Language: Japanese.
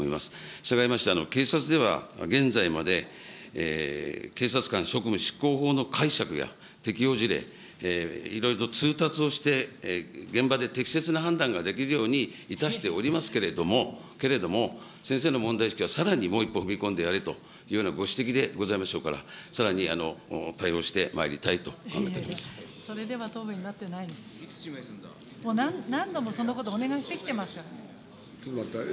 したがいまして、警察では現在まで警察官職務執行法の解釈や適用事例、いろいろと通達をして、現場で適切な判断ができるようにいたしておりますけれども、けれども、先生の問題意識はさらにもう一歩踏み込んでやれというようなご指摘でございましょうから、さらに対応してまいりたいと考えており何度もそのことお願いしてきてますから。